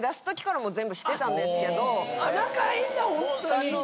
仲いいんだホントに。